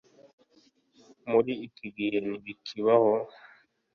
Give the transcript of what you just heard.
Muri iki gihe ntibikibaho